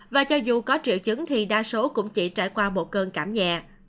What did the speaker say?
và cho dù có triệu chứng thì đa số cũng chỉ trải qua một cơn cảm nhẹ